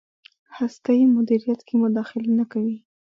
هستۍ مدیریت کې مداخله نه کوي.